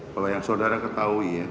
kalau yang saudara ketahui ya